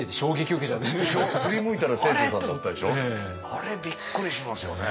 あれびっくりしますよね。